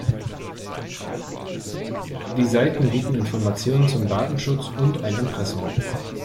Die Seiten bieten Informationen zum Datenschutz und ein Impressum.